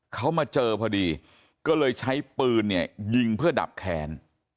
เขามาเจอพอดีก็เลยใช้ปืนเนี่ยยิงเพื่อดับแค้น